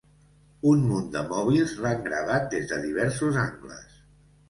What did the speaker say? Un munt de mòbils l'han gravat des de diversos angles.